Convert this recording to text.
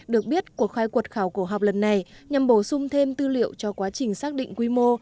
được biết cuộc khai quật khảo cổ học lần này nhằm bổ sung thêm tư liệu cho quá trình xác định quy mô